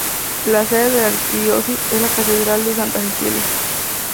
La sede de la Arquidiócesis es la Catedral de Santa Cecilia.